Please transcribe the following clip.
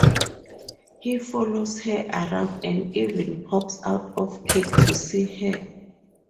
He follows her around and even pops out of cakes to see her.